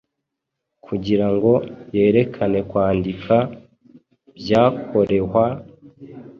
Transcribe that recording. kugirango yerekaneKwandika byakorehwa